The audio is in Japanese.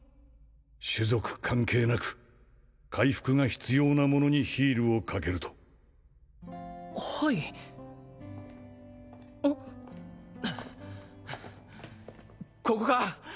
種族関係なく回復が必要な者にヒールをかけるとはいあここか？